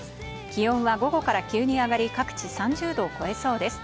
気温は午後から急に上がり、各地３０度を超えそうです。